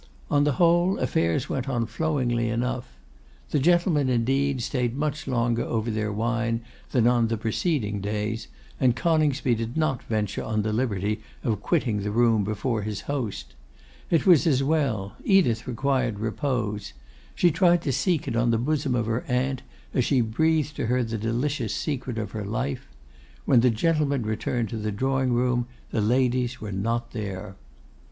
On the whole, affairs went on flowingly enough. The gentlemen, indeed, stayed much longer over their wine than on the preceding days, and Coningsby did not venture on the liberty of quitting the room before his host. It was as well. Edith required repose. She tried to seek it on the bosom of her aunt, as she breathed to her the delicious secret of her life. When the gentlemen returned to the drawing room the ladies were not there.